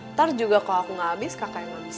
ntar juga kalau aku ga abis kakak yang ngabisin